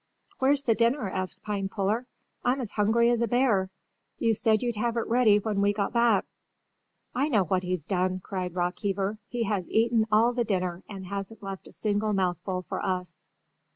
"Where's the dinner?" asked Pinepuller. "I'm as hungry as a bear. You said you'd have it ready when we got back." "I know what he's done!" cried Rockheaver. "He has eaten all the dinner and hasn't left a single mouthful for us!"